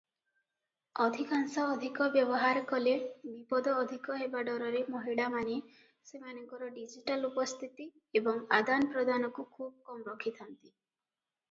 ଅଧିକାଂଶ ଅଧିକ ବ୍ୟବହାର କଲେ ବିପଦ ଅଧିକ ହେବା ଡରରେ ମହିଳାମାନେ ସେମାନଙ୍କର ଡିଜିଟାଲ ଉପସ୍ଥିତି ଏବଂ ଆଦାନପ୍ରଦାନକୁ ଖୁବ କମ ରଖିଥାନ୍ତି ।